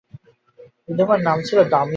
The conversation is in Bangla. বিধবার নাম ছিল দামিনী।